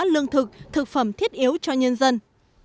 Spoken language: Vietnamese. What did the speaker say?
lương thực thực phẩm thiết yếu cho nhân dân